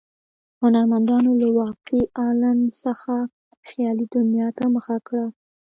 هنرمندانو له واقعي عالم څخه خیالي دنیا ته مخه کړه.